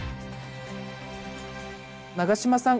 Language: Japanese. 長島さん